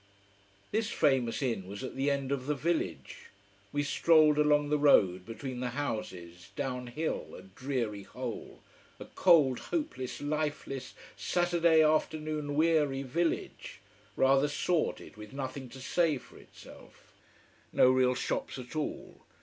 This famous inn was at the end of the village. We strolled along the road between the houses, down hill. A dreary hole! a cold, hopeless, lifeless, Saturday afternoon weary village, rather sordid, with nothing to say for itself. No real shops at all.